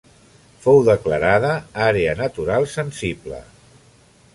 Fou declarada àrea natural sensible.